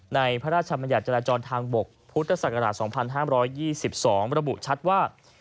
พระราชบัญญัติจราจรทางบกพุทธศักราช๒๕๒๒ระบุชัดว่า